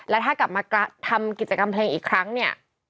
แล้วถ้ากลับมาทำกิจกรรมเพลงอีกครั้งเนี่ย